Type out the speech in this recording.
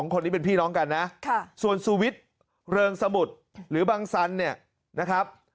คนนี้เป็นพี่น้องกันนะส่วนสุวิทย์เริงสมุทรหรือบังสันเนี่ยนะครับ